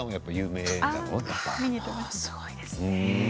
すごいですね。